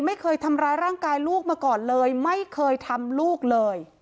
ไม่เคยทำร้ายร่างกายลูกมาก่อนเลยไม่เคยทำลูกเลย